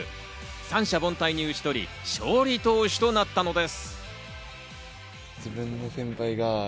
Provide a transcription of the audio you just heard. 三者凡退に打ち取り、勝利投手となったのです。